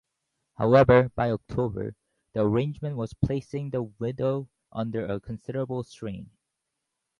However, by October, the arrangement was placing the widow under a considerable strain.